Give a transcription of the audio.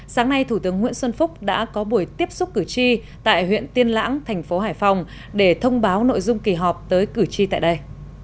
sáng nay thủ tướng nguyễn xuân phúc đã có buổi tiếp xúc cử tri tại huyện tiên lãng thành phố hải phòng để thông báo nội dung kỳ họp tới cử tri tại đây